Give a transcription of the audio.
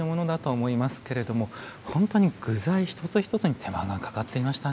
思いますけれども本当に具材一つ一つに手間がかかっていましたね。